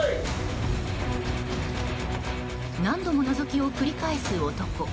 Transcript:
何度ものぞきを繰り返す男。